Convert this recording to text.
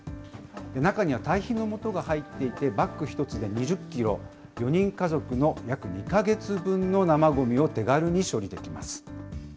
中には堆肥のもとが入っていて、バッグ１つで２０キロ、４人家族の約２か月分の生ごみを手軽に処理できます。